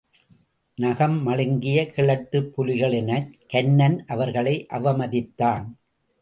நகம் மழுங்கிய கிழட்டுப்புலிகள் எனக் கன்னன் அவர்களை அவமதித்தான்.